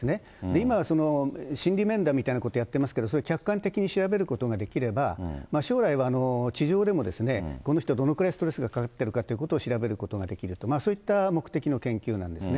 今、心理面談みたいなのをやってますけど、それを客観的に調べることができれば、将来は地上でも、この人どのくらいストレスがかかっているかということを調べることができると、そういった目的の研究なんですね。